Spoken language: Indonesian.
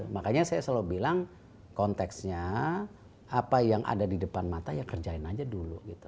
makanya saya selalu bilang konteksnya apa yang ada di depan mata ya kerjain aja dulu gitu